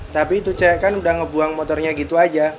tapi itu saya kan udah ngebuang motornya gitu aja